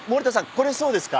これそうですか？